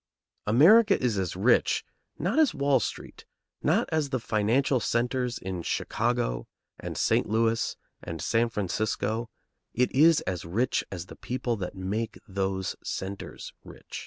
America is as rich, not as Wall Street, not as the financial centres in Chicago and St. Louis and San Francisco; it is as rich as the people that make those centres rich.